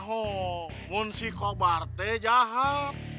oh si kobar tuh jahat